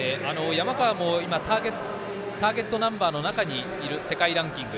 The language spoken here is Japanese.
山川もターゲットナンバーの中にいる世界ランキング。